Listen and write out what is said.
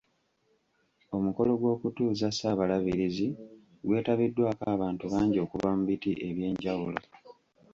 Omukolo gw'okutuuza Ssaabalabirizi gwetabiddwako abantu bangi okuva mu biti eby'enjawulo.